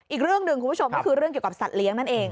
อีกเรื่องหนึ่งคุณผู้ชมก็คือเรื่องเกี่ยวกับสัตว์เลี้ยงนั่นเอง